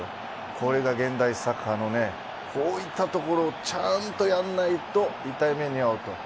これが現代サッカーのこういったところのちゃんとやらないと痛い目に遭うと。